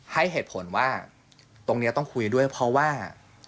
ให้เหตุผลว่าตรงนี้ต้องคุยด้วยเพราะว่า